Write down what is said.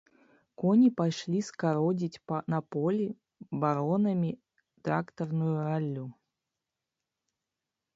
Коні пайшлі скародзіць на полі баронамі трактарную раллю.